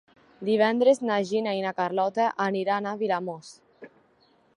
Divendres na Gina i na Carlota aniran a Vilamòs.